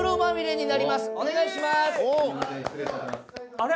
あれ？